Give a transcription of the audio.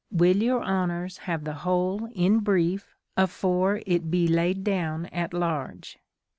Will your Honours have the whole in briefe, afore it bee laid down at large